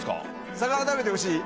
魚食べてほしい？